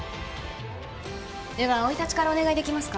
生い立ちからお願いできますか？